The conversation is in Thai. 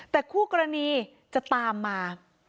แต่คู่กรณีจะตามมา